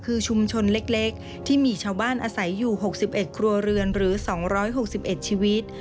คือชุมชนเล็กที่มีชาวบ้านอาศัยอยู่๖๑ครัวเรือนหรือ๒๖๑ชีวิต